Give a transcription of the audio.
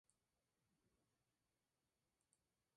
Las carátulas del álbum varían mucho en sus diferentes versiones.